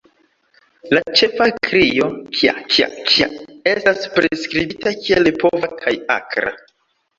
La ĉefa krio "kja...kja...kja" estas priskribita kiel pova kaj akra.